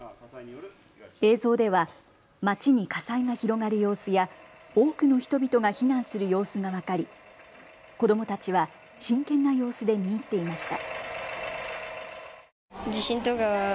映像では街に火災が広がる様子や多くの人々が避難する様子が分かり子どもたちは真剣な様子で見入っていました。